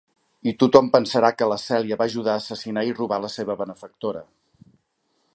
I tothom pensarà que la Celia va ajudar a assassinar i robar la seva benefactora.